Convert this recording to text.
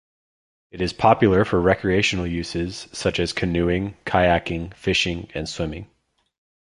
It is popular for recreational uses such as canoeing, kayaking, fishing and swimming.